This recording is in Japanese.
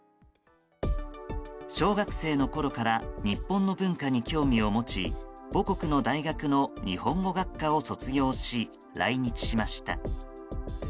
小学生のころから日本の文化に興味を持ち母国の大学の日本語学科を卒業し来日しました。